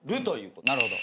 なるほど。